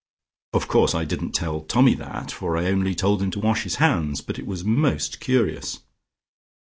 Of course I didn't tell Tommy that, for I only told him to wash his hands, but it was most curious.